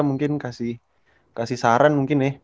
itu mungkin dapet dari derika mungkin kasih saran mungkin ya